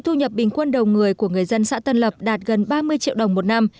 thu nhập bình quân đầu người của người dân xã tân lập đạt gần ba mươi triệu đồng một năm